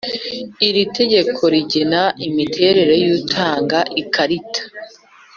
iri tegeko rigena imiterere y utanga ikarita